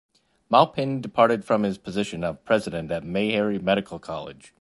Maupin departed from his position of president at Meharry Medical College.